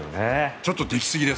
ちょっとできすぎです。